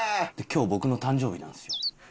今日僕の誕生日なんですよ。